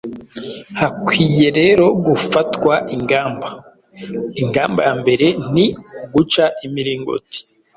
Hakwiye rero gufatwa ingamba. Ingamba ya mbere ni uguca imiringoti